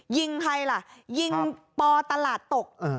ยิงใครล่ะยิงปอตลาดตก